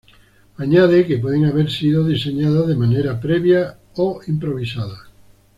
Añade que pueden haber sido diseñadas de manera previa o improvisadas.